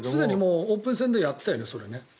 オープン戦ですでにやったよね。